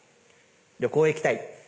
「旅行へ行きたい」。